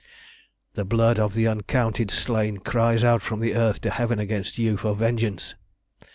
"The blood of the uncounted slain cries out from earth to heaven against you for vengeance.